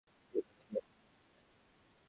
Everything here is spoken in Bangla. বুড়ো দাদা কে এখনও মুক্তি দেননি কেন?